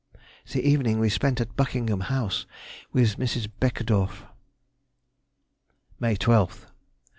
The evening we spent at Buckingham House with Mrs. Beckedorff. _May 12th.